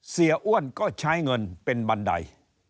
อ้วนก็ใช้เงินเป็นบันได